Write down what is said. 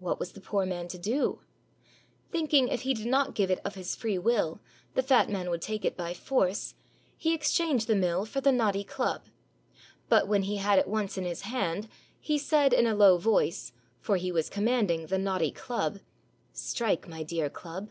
What was the poor man to do? Thinking if he did not give it of his freewill, the fat man would take it by force, he exchanged the mill for the knotty club ; but when he had it once in his hand, he said in a low voice, for he was commanding the knotty club, "Strike, my dear club."